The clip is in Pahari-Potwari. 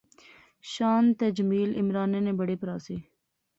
شان تے جمیل عمرانے نے بڑے پرہا سے